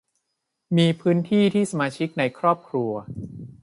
มีพื้นที่ที่สมาชิกในครอบครัว